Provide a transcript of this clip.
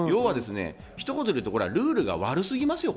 ひと言で言うとルールが悪すぎます。